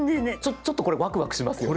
ちょっとこれわくわくしますよね。